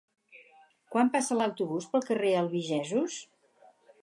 Quan passa l'autobús pel carrer Albigesos?